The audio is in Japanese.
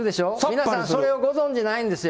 皆さん、それをご存じないんですよ。